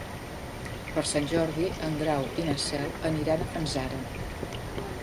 Per Sant Jordi en Grau i na Cel aniran a Fanzara.